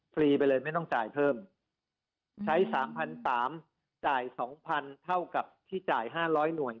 รีไปเลยไม่ต้องจ่ายเพิ่มใช้๓๓๐๐จ่าย๒๐๐เท่ากับที่จ่าย๕๐๐หน่วย